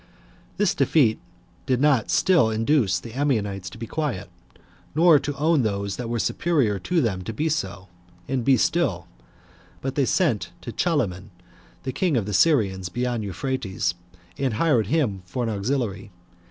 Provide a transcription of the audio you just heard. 3. This defeat did not still induce the Ammonites to be quiet, nor to own those that were superior to them to be so, and be still, but they sent to Chalaman, the king of the Syrians, beyond Euphrates, and hired him for an auxiliary.